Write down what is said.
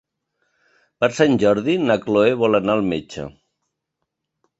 Per Sant Jordi na Chloé vol anar al metge.